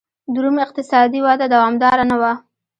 د روم اقتصادي وده دوامداره نه وه.